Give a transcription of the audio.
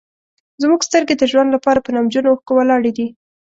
زموږ سترګې د ژوند لپاره په نمجنو اوښکو ولاړې دي.